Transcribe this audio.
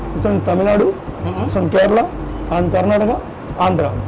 ternyata tamil nadu kerala karnataka dan andhra